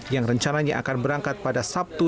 yang rencananya akan berangkat pada sabtu